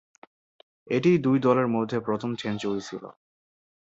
এটিই দুই দলের মধ্যে প্রথম সেঞ্চুরি ছিল।